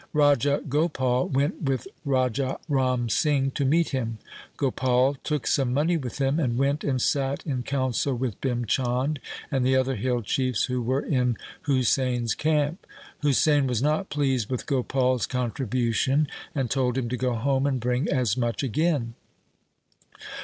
Raja Gopal went with Raja Ram Singh to meet him. Gopal took some money with him, and went and sat in council with Bhim Chand and the other hill chiefs who were in Husain' s camp. Husain was not pleased with Gopal' s contribution, and told him to go home and bring as much again.